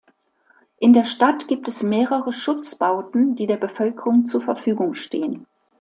In der Stadt gibt es mehrere Schutzbauten, die der Bevölkerung zur Verfügung stehen.